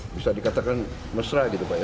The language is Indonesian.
bisa dikatakan mesra gitu pak ya